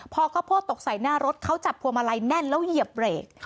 พอข้าวโพดตกใส่หน้ารถเขาจับพวงมาลัยแน่นแล้วเหยียบเบรก